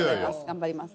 頑張ります。